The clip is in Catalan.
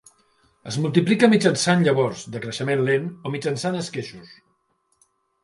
Es multiplica mitjançant llavors, de creixement lent, o mitjançant esqueixos.